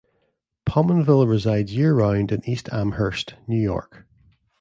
Pominville resides year-round in East Amherst, New York.